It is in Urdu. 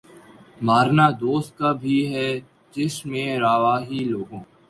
مارنا دوست کا بھی جس میں روا ہے لوگو